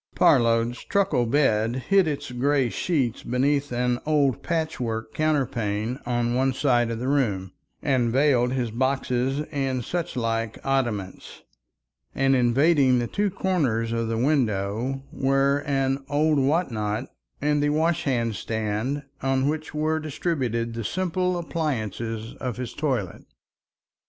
Parload's truckle bed hid its gray sheets beneath an old patchwork counterpane on one side of the room, and veiled his boxes and suchlike oddments, and invading the two corners of the window were an old whatnot and the washhandstand, on which were distributed the simple appliances of his toilet.